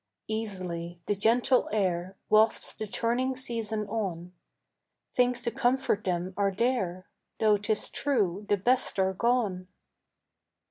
Easily the gentle air Wafts the turning season on; Things to comfort them are there, Though 'tis true the best are gone.